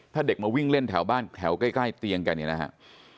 ถ้าเด็กมาวิ่งเล่นแถวบ้านแก้เตียงกันอย่างนี้นะครับ